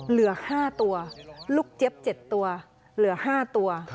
เหลือ๕ตัวลูกเจี๊ยบ๗ตัวเหลือ๕ตัว